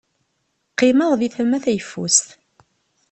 Qqimeɣ di tama tayeffus.